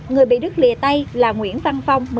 người bị đứt lìa tay là nguyễn văn phong một mươi tám tuổi